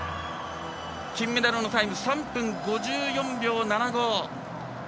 金メダルのタイム３分５４秒７５。